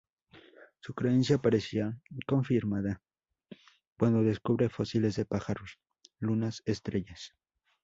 Su creencia parecía confirmada cuando descubre fósiles de pájaros, lunas, estrellas.